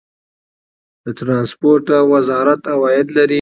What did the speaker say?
د ټرانسپورټ وزارت عواید لري؟